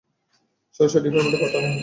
সরাসরি ডিপার্টমেন্টে পাঠানো হয়েছে।